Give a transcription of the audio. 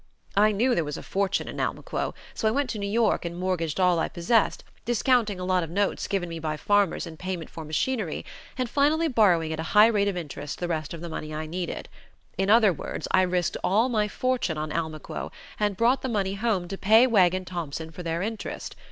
"I knew there was a fortune in Almaquo, so I went to New York and mortgaged all I possessed, discounting a lot of notes given me by farmers in payment for machinery, and finally borrowing at a high rate of interest the rest of the money I needed. In other words I risked all my fortune on Almaquo, and brought the money home to pay Wegg and Thompson for their interest.